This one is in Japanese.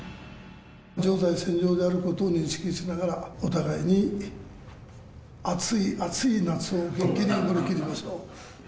常在戦場であることを認識しながら、お互いに暑い暑い夏を乗り切りましょう。